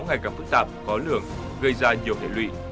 ngày càng phức tạp khó lường gây ra nhiều hệ lụy